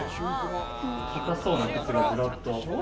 高そうな靴がずらっと。